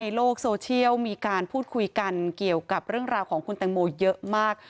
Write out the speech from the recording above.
ในโลกโซเชียลมีการพูดคุยกันเกี่ยวกับเรื่องราวของคุณแตงโมเยอะมาก